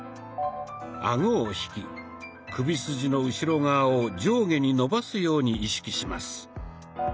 アゴを引き首筋の後ろ側を上下に伸ばすように意識します。